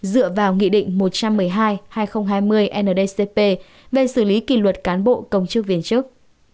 dựa vào nghị định một trăm một mươi hai hai nghìn hai mươi ndcp về xử lý kỷ luật cán bộ công chức viên chức